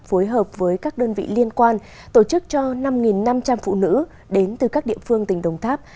phối hợp với các đơn vị liên quan tổ chức cho năm năm trăm linh phụ nữ đến từ các địa phương tỉnh đồng tháp